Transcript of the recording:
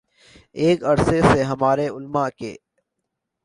ایک عرصے سے ہمارے علما کے